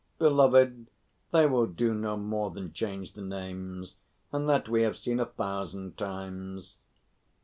Beloved, they will do no more than change the names, and that we have seen a thousand times."